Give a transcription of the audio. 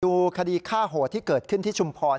คดีฆ่าโหดที่เกิดขึ้นที่ชุมพร